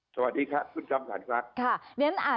สวัสดีค่ะคุณกำลังค่ะ